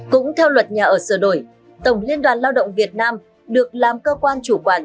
cũng theo luật nhà ở sửa đổi tổng liên đoàn lao động việt nam được làm cơ quan chủ quản